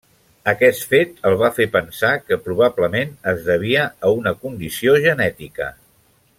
Aquest fet el va fer pensar que probablement es devia a una condició genètica.